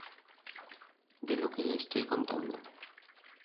de lo que le estoy contando